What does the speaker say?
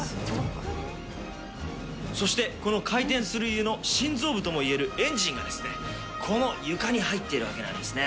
そして、この回転する家の心臓部ともいえるエンジンが、この床に入ってるわけなんですね。